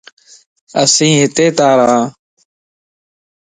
اسين ھتي تان ران